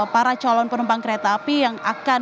para calon penumpang kereta api yang akan